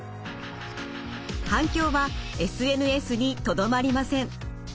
反響はＳＮＳにとどまりません。